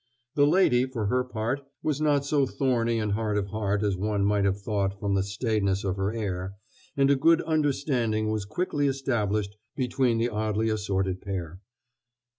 The lady, for her part, was not so thorny and hard of heart as one might have thought from the staidness of her air, and a good understanding was quickly established between the oddly assorted pair.